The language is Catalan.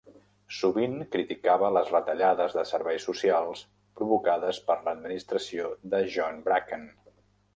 Sovint criticava les retallades de serveis socials provocades per l'administració de John Bracken.